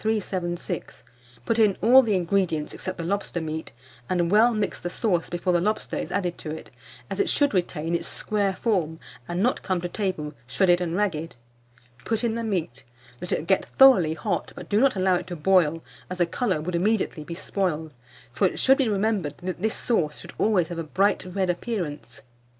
376; put in all the ingredients except the lobster meat, and well mix the sauce before the lobster is added to it, as it should retain its square form, and not come to table shredded and ragged. Put in the meat, let it get thoroughly hot, but do not allow it to boil, as the colour would immediately be spoiled; for it should be remembered that this sauce should always have a bright red appearance.